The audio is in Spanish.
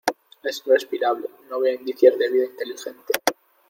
Es respirable. No veo indicios de vida inteligente .